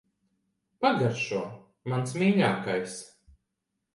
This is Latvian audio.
Pagaršo. Mans mīļākais.